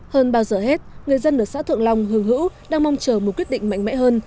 hơn bao giờ hết người dân ở xã thượng long hương hữu đang mong chờ một quyết định mạnh mẽ hơn